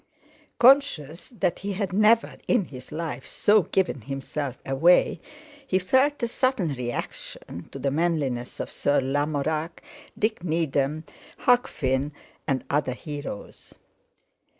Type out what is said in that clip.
Conscious that he had never in his life so given himself away, he felt a sudden reaction to the manliness of Sir Lamorac, Dick Needham, Huck Finn, and other heroes.